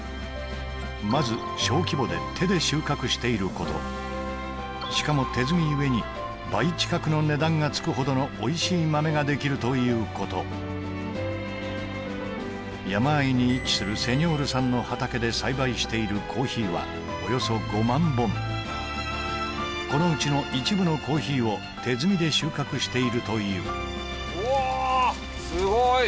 まず小規模で手で収穫していることしかも手摘みゆえに倍近くの値段がつくほどのおいしい豆ができるということ山あいに位置するセニョールさんの畑で栽培しているコーヒーはおよそ５万本このうちの一部のコーヒーを手摘みで収穫しているといううわーっ